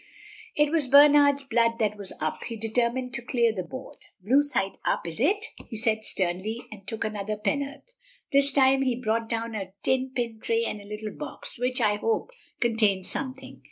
It was Bernard's blood that was up. He determined to clear the board. "Blue side up, is it," he said sternly, and took another penn'orth. This time he brought down a tin pin tray and a little box which, I hope, contained something.